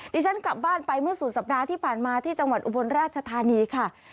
ที่ฉันกลับบ้านไปเมื่อสุดสัปดาห์ที่ผ่านมาที่จังหวัดอุบลราชธานีค่ะ